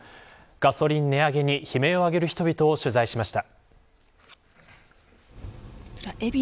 ガソリン値上げに悲鳴を上げる人々を取材しました。